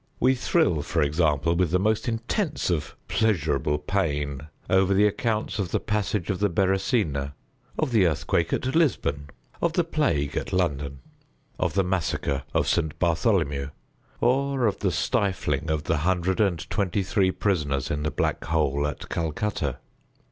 We thrill, for example, with the most intense of "pleasurable pain" over the accounts of the Passage of the Beresina, of the Earthquake at Lisbon, of the Plague at London, of the Massacre of St. Bartholomew, or of the stifling of the hundred and twenty three prisoners in the Black Hole at Calcutta.